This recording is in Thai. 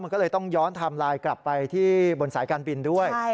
มันก็เลยต้องย้อนไทม์ไลน์กลับไปที่บนสายการบินด้วย